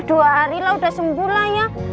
dua hari sudah sembuh ya